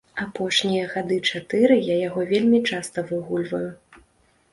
Апошнія гады чатыры я яго вельмі часта выгульваю.